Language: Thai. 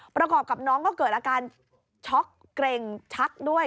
ประกอบกับน้องก็เกิดอาการช็อกเกร็งชักด้วย